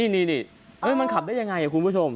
นี่มันขับได้ยังไงคุณผู้ชม